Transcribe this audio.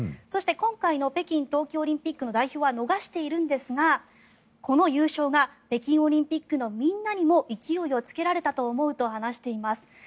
そして、今回の北京冬季オリンピックの代表は逃していますがこの優勝が北京オリンピックのみんなにも勢いをつけられたと思うと話しています。